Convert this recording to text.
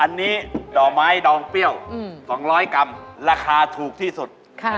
อันนี้ดอกไม้ดองเปรี้ยว๒๐๐กรัมราคาถูกที่สุด